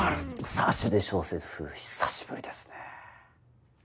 サシで小説風久しぶりですね。